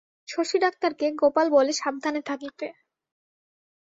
শশী ডাক্তারকে গোপাল বলে সাবধানে থাকিতে।